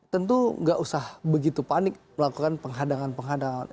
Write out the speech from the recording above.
tentu nggak usah begitu panik melakukan penghadangan penghadangan